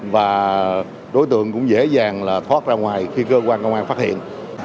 và đối tượng cũng dễ dàng thoát ra ngoài khi cơ quan công an phát hiện